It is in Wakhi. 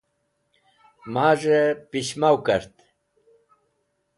Maz̃hey Pishmaw kart